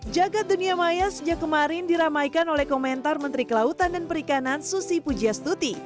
jagad dunia maya sejak kemarin diramaikan oleh komentar menteri kelautan dan perikanan susi pujastuti